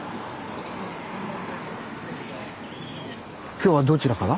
今日はどちらから？